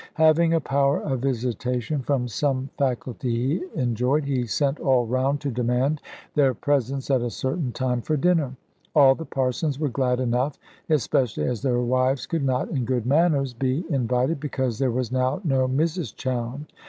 Having a power of visitation, from some faculty he enjoyed, he sent all round to demand their presence at a certain time, for dinner. All the parsons were glad enough, especially as their wives could not, in good manners, be invited, because there was now no Mrs Chowne.